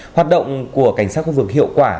hoạt động của cảnh sát khu vực hiệu quả